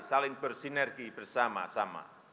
saling bersinergi bersama sama